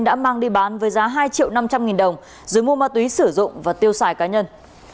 đã mang đi bán với giá hai triệu năm trăm linh nghìn đồng rồi mua ma túy sử dụng và tiêu xài cá nhân